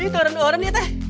itu orang orang nih teh